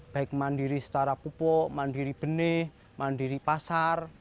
baik mandiri secara pupuk mandiri benih mandiri pasar